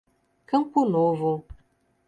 Campo Novo